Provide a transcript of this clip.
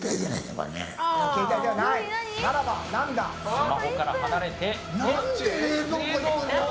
スマホから離れて。